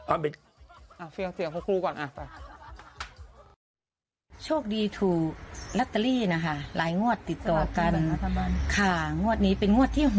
อ้าวเบียงเสียงของครูก่อนอ่ะไป